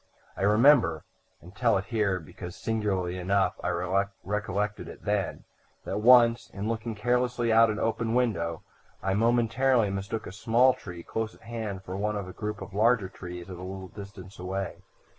I remember and tell it here because, singularly enough, I recollected it then that once, in looking carelessly out of an open window, I momentarily mistook a small tree close at hand for one of a group of larger trees at a little distance away.